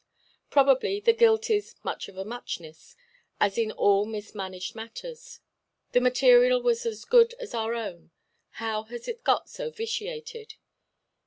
Probably, the guilt is "much of a muchness," as in all mismanaged matters. The material was as good as our own; how has it got so vitiated?